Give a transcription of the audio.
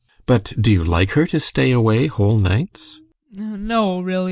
But do you like her to stay away whole nights?